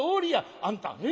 あんたね